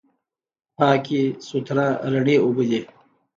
پاکې، سوتره، رڼې اوبه دي.